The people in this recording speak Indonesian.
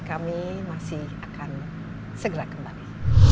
kami masih akan segera kembali